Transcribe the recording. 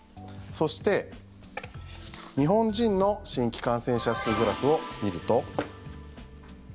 そして、日本人の新規感染者数グラフを見ると。